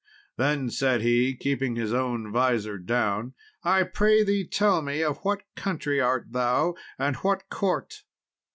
Then said he keeping his own visor down "I pray thee tell me of what country art thou, and what court?"